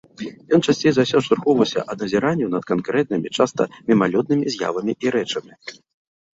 Ён часцей за ўсё адштурхоўваўся ад назіранняў над канкрэтнымі, часта мімалётнымі, з'явамі і рэчамі.